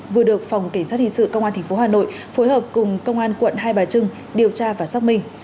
vừa được phòng cảnh sát hình sự công an tp hà nội phối hợp cùng công an quận hai bà trưng điều tra và xác minh